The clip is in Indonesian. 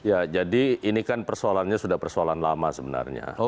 ya jadi ini kan persoalannya sudah persoalan lama sebenarnya